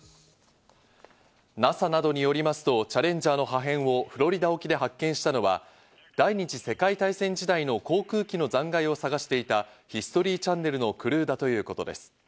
ＮＡＳＡなどによりますと、チャレンジャーの破片をフロリダ沖で発見したのは、第二次世界大戦時代の航空機の残骸を探していた、ヒストリーチャンネルのクルーだということです。